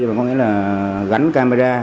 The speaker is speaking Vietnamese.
mà có nghĩa là gắn camera